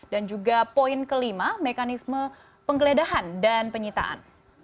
dan juga poin kelima mekanisme penggeledahan dan penyitaan